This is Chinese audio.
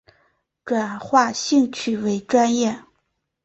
转化兴趣为专业